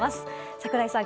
櫻井さん